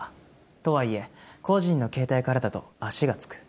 とはいえ個人の携帯からだと足がつく。